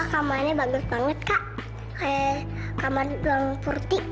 kamu ini bagus banget kak eh kamar